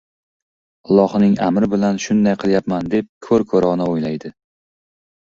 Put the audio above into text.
Ollohning amri bilan shunday qilayapman deb ko‘r-ko‘rona o‘ylaydi.